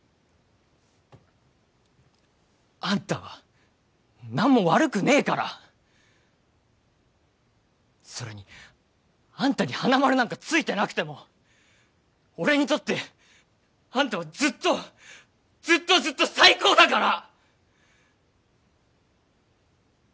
あんたは何も悪くねえからそれにあんたに花丸なんかついてなくても俺にとってあんたはずっとずっとずっと最高だから！